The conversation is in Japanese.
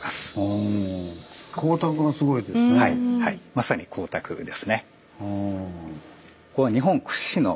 まさに光沢ですね。